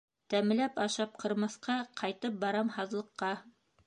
Тәмләп ашап ҡырмыҫҡа Ҡайтып барам һаҙлыҡҡа